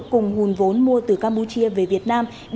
cùng hùn vốn mua từ campuchia về việt nam